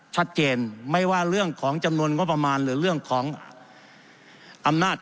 ชัดเจนไม่ว่าเรื่องของจำนวนงบประมาณหรือเรื่องของอำนาจ